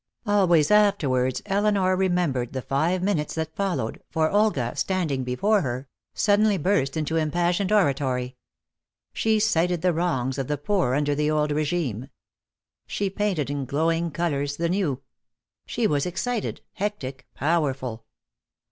Always afterwards Elinor remembered the five minutes that followed, for Olga, standing before her, suddenly burst into impassioned oratory. She cited the wrongs of the poor under the old regime. She painted in glowing colors the new. She was excited, hectic, powerful.